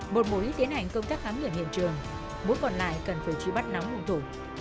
một mối tiến hành công tác khám nghiệm hiện trường mối còn lại cần phải trí bắt nóng ngủ thủ